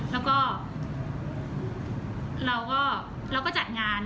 แล้วก็เราก็จัดงาน